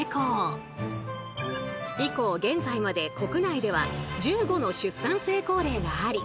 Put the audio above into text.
以降現在まで国内では１５の出産成功例があり